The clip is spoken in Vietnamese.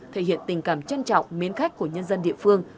thể hiện tình cảm trân trọng mến khách của nhân dân địa phương